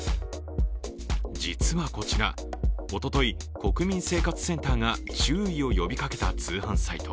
実はこちら、おととい国民生活センターが注意を呼びかけた通販サイト。